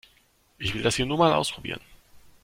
Ich will das hier nur mal ausprobieren.